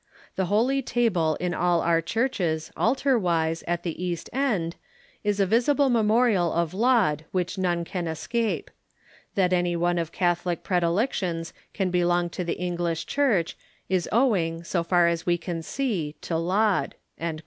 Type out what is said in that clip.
.. The Lloly Table in all our churches, altar wise, at the east end, is a visible memorial of Laud which none can escape. ..^ Ihat anyone of Catholic predilections can belong to the English Church is owing, so far as we can see, to Laud."